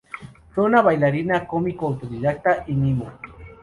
Fue una bailarina cómico autodidacta y mimo.